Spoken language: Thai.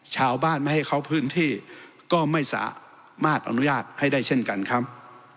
ชาวบ้านไม่ให้เขาพื้นที่ก็ไม่สามารถอนุญาตให้ได้เช่นกันครับ